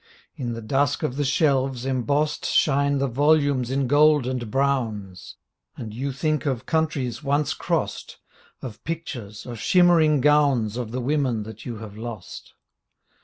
In the dusk of the. shelves, embossed Shine the volumes in gold and browns. And you think of countries once crossed. Of pictures, of shimmering gowns Of the women that you have lost.